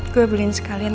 gue beliin sekalian